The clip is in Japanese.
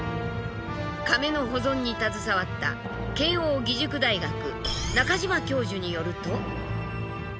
カメの保存に携わった慶應義塾大学中島教授によると。